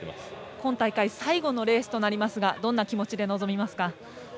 今大会最後のレースとなりますがどんな気持ちで臨みますか？